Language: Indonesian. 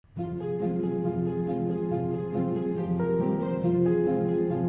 betul yang mulia